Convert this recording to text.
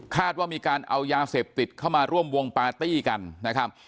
ว่ามีการเอายาเสพติดเข้ามาร่วมวงปาร์ตี้กันนะครับ